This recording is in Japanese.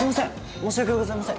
申し訳ございません。